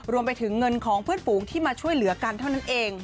รวมไปถึงเงินของเพื่อนฝูงที่มาช่วยเหลือกันเท่านั้นเอง